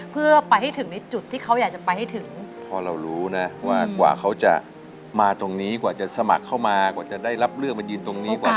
พอเรารู้นะว่ากว่าเค้าจะมาตรงนี้กว่าจะสมัครเข้ามากว่าจะได้รับเรื่องมายืนตรงนี้กว่าจะ